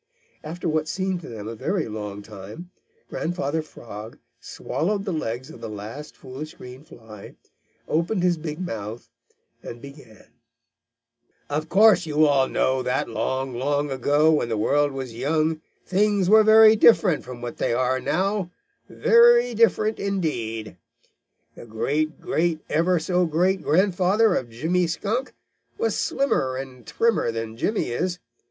After what seemed to them a very long time, Grandfather Frog swallowed the legs of the last foolish green fly, opened his big mouth, and began: "Of course you all know that long, long ago, when the world was young, things were very different from what they are now, very different indeed. The great great ever so great grandfather of Jimmy Skunk was slimmer and trimmer than Jimmy is.